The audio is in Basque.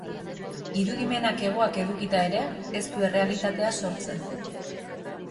Irudimenak hegoak edukita ere, ez du errealitatea sortzen.